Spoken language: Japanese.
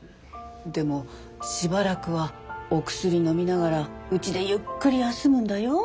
でもしばらくはお薬のみながらうちでゆっくり休むんだよ。